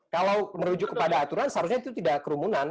kalau merujuk kepada aturan seharusnya itu tidak kerumunan